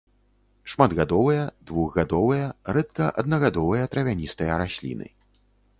Шматгадовыя, двухгадовыя, рэдка аднагадовыя травяністыя расліны.